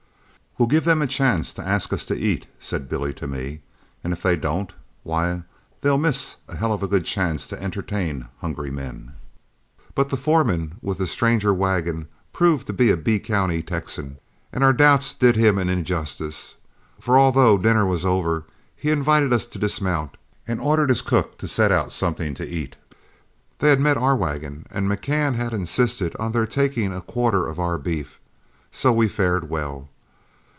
"We 'll give them a chance to ask us to eat," said Billy to me, "and if they don't, why, they'll miss a hell of a good chance to entertain hungry men." But the foreman with the stranger wagon proved to be a Bee County Texan, and our doubts did him an injustice, for, although dinner was over, he invited us to dismount and ordered his cook to set out something to eat. They had met our wagon, and McCann had insisted on their taking a quarter of our beef, so we fared well.